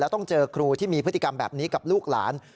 ต้องเจอครูที่มีพฤติกรรมแบบนี้กับลูกหลาน